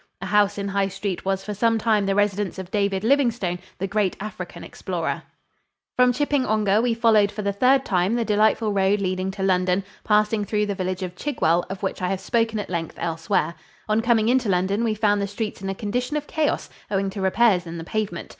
A house in High Street was for some time the residence of David Livingstone, the great African explorer. From Chipping Ongar we followed for the third time the delightful road leading to London, passing through the village of Chigwell, of which I have spoken at length elsewhere. On coming into London, we found the streets in a condition of chaos, owing to repairs in the pavement.